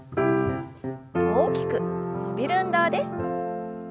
大きく伸びる運動です。